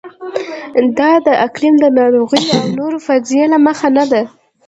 دا د اقلیم، ناروغیو او نورو فرضیې له مخې نه ده.